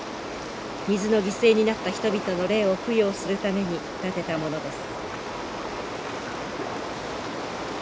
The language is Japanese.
水の犠牲になった人々の霊を供養するために建てたものです。